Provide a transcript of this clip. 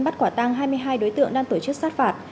bắt quả tăng hai mươi hai đối tượng đang tổ chức sát phạt